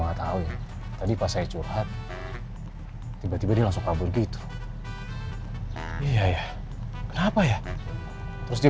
nggak tahu ya tadi pas saya curhat tiba tiba dia langsung kabur gitu iya ya kenapa ya terus di